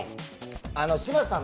嶋佐さん